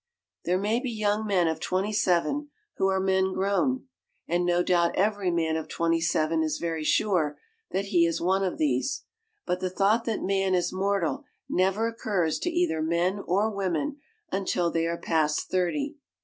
There may be young men of twenty seven who are men grown, and no doubt every man of twenty seven is very sure that he is one of these; but the thought that man is mortal never occurs to either men or women until they are past thirty.